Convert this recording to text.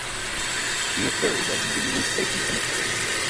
He is buried at the Gibeon Station Cemetery.